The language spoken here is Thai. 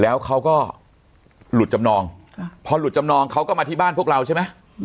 แล้วเขาก็หลุดจำนองพอหลุดจำนองเขาก็มาที่บ้านพวกเราใช่ไหม